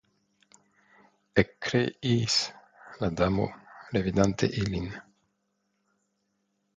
Ekkriis la Damo, revidante ilin.